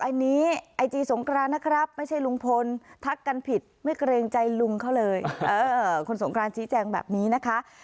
อันนี้ไอจีสงกรานนะครับไม่ใช่ลุงพลทักกันผิดไม่เกรงใจลุงเขาเลยคุณสงครานชี้แจงแบบนี้นะคะ